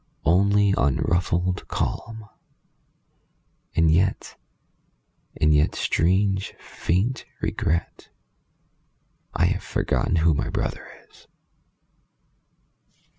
Only unruffled calm; and yet — and yet — Strange, faint regret — I have forgotten who my brother is!